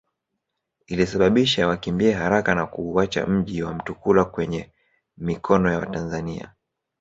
Ilisababisha wakimbie haraka na kuuacha mji wa Mtukula kwenye mikono ya watanzania